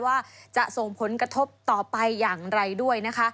ว่าจะส่งผลกระทบต่อไปอย่างไรด้วยนะคะ